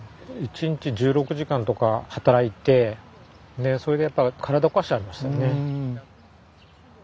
１日１６時間とか働いてでそれでやっぱ体こわしちゃいましたよね。